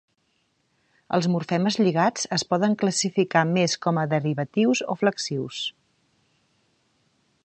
Els morfemes lligats es poden classificar més com a derivatius o flexius.